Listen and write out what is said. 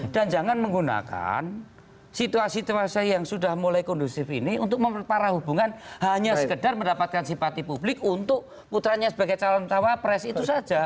dan jangan menggunakan situasi situasi yang sudah mulai kondusif ini untuk memperparah hubungan hanya sekedar mendapatkan simpati publik untuk putranya sebagai calon tawa pres itu saja